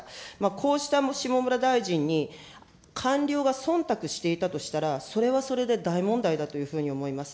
こうした下村大臣に、官僚がそんたくしていたとしたら、それはそれで大問題だというふうに思います。